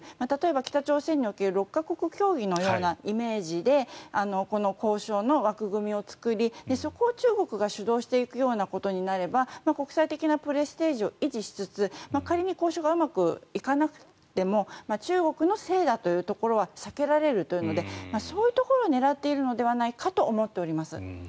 例えば北朝鮮における６か国協議のようなイメージでこの交渉の枠組みを作りそこを中国が主導していくようなことになれば国際的なプレステージを維持しつつ仮に交渉がうまくいかなくても中国のせいだというところは避けられるというのでそういうところを狙っているのではないかと思っております。